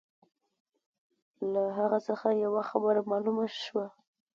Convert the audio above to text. له هغه څخه یوه خبره معلومه شوه.